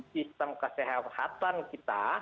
sistem kesehatan kita